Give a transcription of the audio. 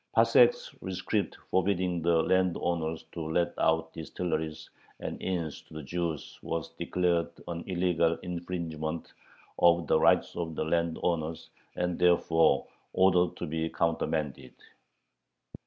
Passek's rescript forbidding the landowners to let out distilleries and inns to the Jews was declared an illegal infringement of the rights of the landowners, and therefore ordered to be countermanded.